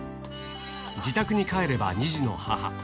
自宅に帰れば２児の母。